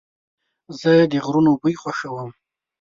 زه د غرونو بوی خوښوم.